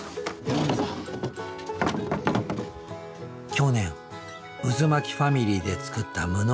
去年うずまきファミリーで作った無農薬の米。